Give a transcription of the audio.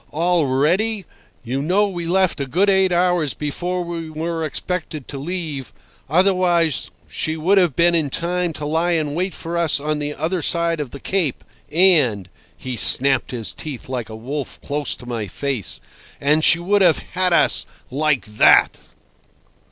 "Already! You know we left a good eight hours before we were expected to leave, otherwise she would have been in time to lie in wait for us on the other side of the Cape, and"—he snapped his teeth like a wolf close to my face—"and she would have had us like—that."